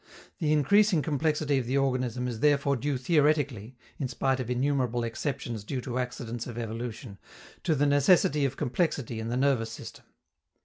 The increasing complexity of the organism is therefore due theoretically (in spite of innumerable exceptions due to accidents of evolution) to the necessity of complexity in the nervous system.